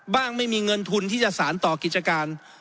ไม่มีเงินทุนที่จะสารต่อกิจการ